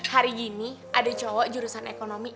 hari ini ada cowok jurusan ekonomi